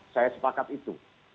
saya sepakat itu